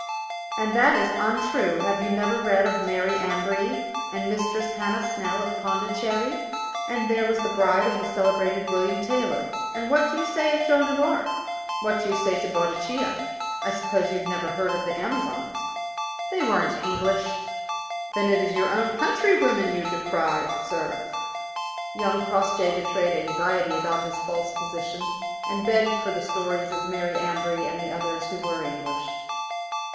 "And that is untrue. Have you never read of Mary Ambree? and Mistress Hannah Snell of Pondicherry? And there was the bride of the celebrated William Taylor. And what do you say to Joan of Arc? What do you say to Boadicea? I suppose you have never heard of the Amazons." "They weren't English." "Then it is your own countrywomen you decry, sir!" Young Crossjay betrayed anxiety about his false position, and begged for the stories of Mary Ambree and the others who were English.